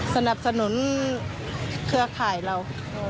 สนับสนุนเครือข่ายเรา